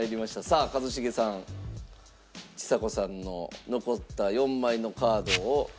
さあ一茂さんちさ子さんの残った４枚のカードを。